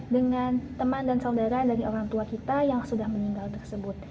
dengan teman dan saudara dari orang tua kita yang sudah meninggal tersebut